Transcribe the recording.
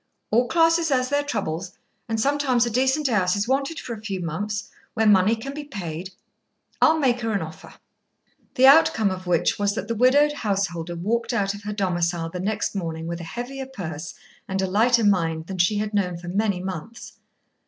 All classes has their troubles, and sometimes a decent house is wanted for a few months, where money can be paid. I'll make her an offer." The outcome of which was that the widowed householder walked out of her domicile the next morning with a heavier purse and a lighter mind than she had known for many months.